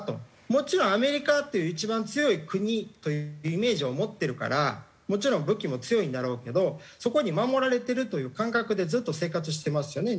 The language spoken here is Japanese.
もちろんアメリカって一番強い国というイメージを持ってるからもちろん武器も強いんだろうけどそこに守られてるという感覚でずっと生活してますよね